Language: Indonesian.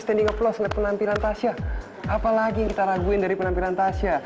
standing oplos lihat penampilan tasya apalagi kita raguin dari penampilan tasya